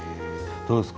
どうですか？